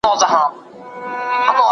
زه له سهاره د کتابتون کتابونه لوستل کوم!!